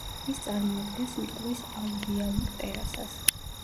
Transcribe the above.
ის წარმოადგენს მტკვრის ალუვიალურ ტერასას.